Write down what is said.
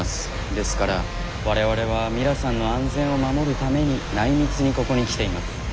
ですから我々はミラさんの安全を守るために内密にここに来ています。